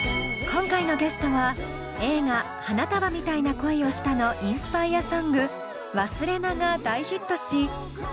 今回のゲストは映画「花束みたいな恋をした」のインスパイアソング「勿忘」が大ヒットし